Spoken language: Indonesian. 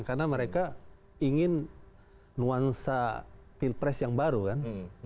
karena mereka ingin nuansa pilpres yang baru kan